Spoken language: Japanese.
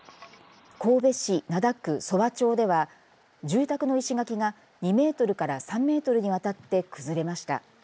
神戸市灘区曾和町では住宅の石垣が２メートルから３メートルにわたって崩れました。